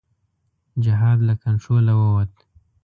جهاد له کنټروله ووت.